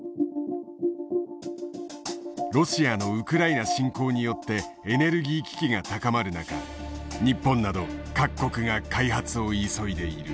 ロシアのウクライナ侵攻によってエネルギー危機が高まる中日本など各国が開発を急いでいる。